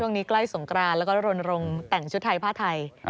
ใกล้สงกรานแล้วก็รณรงค์แต่งชุดไทยผ้าไทย